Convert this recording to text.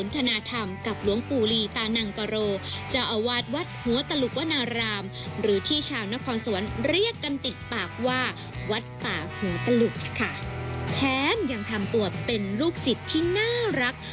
แถมยังทำตัวเป็นลูกศิษย์ที่น่ารัก